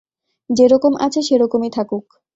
যেরকম আছে সেরকমই থাকুক।